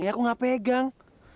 ya aku ga pegang